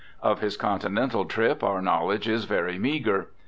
Of his Continental trip our knowledge is very meagre.